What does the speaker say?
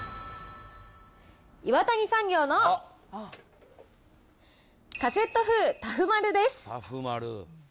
岩谷産業のカセットフータフまるです。